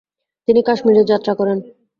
তিনি কাশ্মীর যাত্রা করেন।